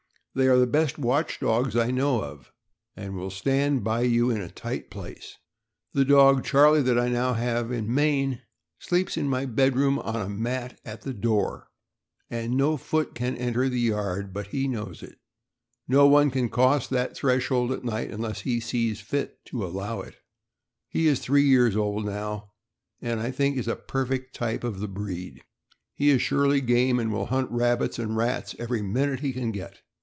They are the best watch dogs I know of, and will stand by you in a tight place. The dog Charlie, that I have now in Maine, sleeps in my bed room on a mat at the door, and no foot can enter the yard but he knows it. No one can cross that threshold at night unless he sees fit to allow it. He is three years old now, aud I think is a perfect type of the breed. He is surely game, and will hunt rabbits and rats every minute he can get.